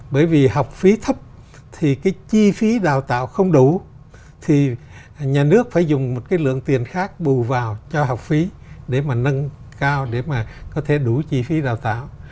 bởi vì học phí thấp thì cái chi phí đào tạo không đủ thì nhà nước phải dùng một cái lượng tiền khác bù vào cho học phí để mà nâng cao để mà có thể đủ chi phí đào tạo